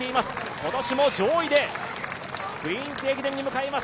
今年も上位で「クイーンズ駅伝」に向かいます。